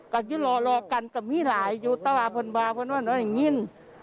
ก็รอกันกับมีหลายอยู่ตาวาพลบาพลนั่นอย่างนี้